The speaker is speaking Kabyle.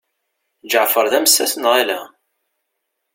Ǧeɛfer d amessas neɣ ala?